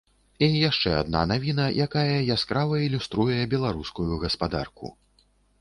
І яшчэ адна навіна, якая яскрава ілюструе беларускую гаспадарку.